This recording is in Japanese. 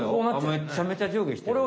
めっちゃめちゃ上下してる。